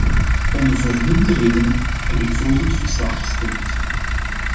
Om de voornoemde redenen heb ik voor dit verslag gestemd.